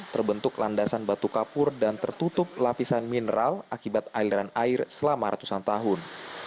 terbentuk landasan batu kapur dan tertutup lapisan mineral akibat aliran air selama ratusan tahun